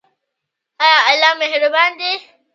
ایا الله مهربان دی؟